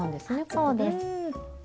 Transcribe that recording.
そうです。